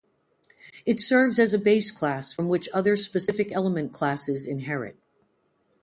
It serves as a base class from which other specific element classes inherit.